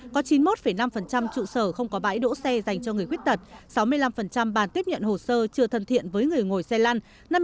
có chín mươi một năm trụ sở không có bãi đỗ xe dành cho người khuyết tật sáu mươi năm bàn tiếp nhận hồ sơ chưa thân thiện với người ngồi xe lăn